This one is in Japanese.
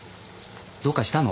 どうかしたの？